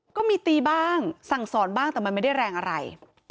ก็มีตีบ้างสั่งสอนบ้างแต่มันไม่ได้แรงอะไร